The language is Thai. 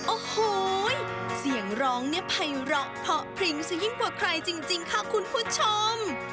โอ้โหเสียงร้องเนี่ยภัยเลาะเพาะพริ้งซะยิ่งกว่าใครจริงค่ะคุณผู้ชม